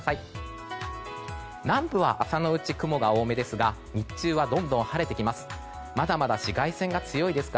南部は朝のうち、雲が多めですが日中はどんどん晴れてきます。